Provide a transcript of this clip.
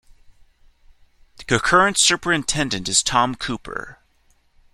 The current Superintendent is Tom Cooper.